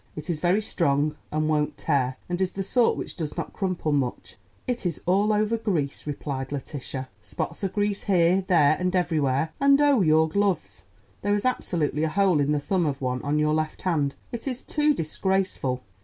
It is very strong and won't tear, and is the sort which does not crumple much." "It is all over grease," replied Letitia; "spots of grease here, there, and everywhere. And, oh, your gloves—there is absolutely a hole in the thumb of the one on your left hand. It is too disgraceful!"